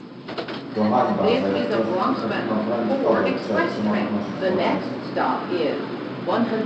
to hańba, że wciąż nie potrafimy ochronić kobiet przed przemocą w naszych społeczeństwach